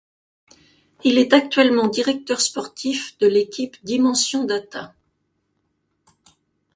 Il est actuellement directeur sportif de l'équipe Dimension Data.